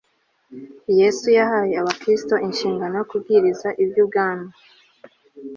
Yesu yahaye Abakristo inshingano yo kubwiriza iby Ubwami